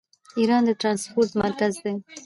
ایران د ټرانسپورټ مرکز دی.